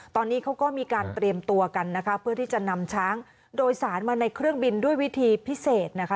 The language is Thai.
ตอนนี้เขาก็มีการเตรียมตัวกันนะคะเพื่อที่จะนำช้างโดยสารมาในเครื่องบินด้วยวิธีพิเศษนะคะ